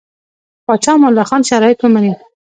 پاچا امان الله خان شرایط ومني.